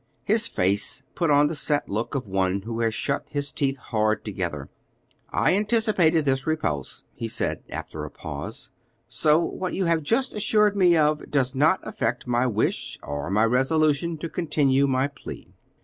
His face put on the set look of one who has shut his teeth hard together. "I anticipated this repulse," he said after a pause; "so what you have just assured me of does not affect my wish or my resolution to continue my plea."